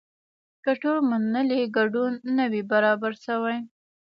که ټول منلی ګډون نه وي برابر شوی.